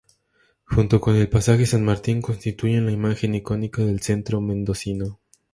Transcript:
Junto con el Pasaje San Martín constituyen la imagen icónica del centro mendocino.